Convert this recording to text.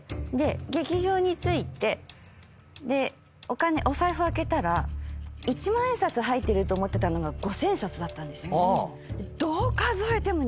劇場に着いてお財布開けたら一万円札入ってると思ってたのが五千円札だったんですよ。